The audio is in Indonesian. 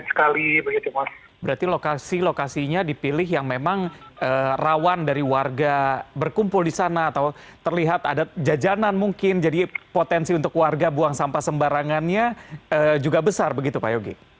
berarti lokasi lokasinya dipilih yang memang rawan dari warga berkumpul di sana atau terlihat ada jajanan mungkin jadi potensi untuk warga buang sampah sembarangannya juga besar begitu pak yogi